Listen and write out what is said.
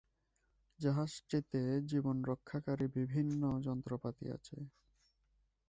জাহাজটিতে জীবন রক্ষাকারী বিভিন্ন যন্ত্রপাতি আছে।